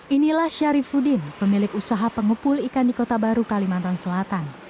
inilah syarifudin pemilik usaha pengepul ikan di kota baru kalimantan selatan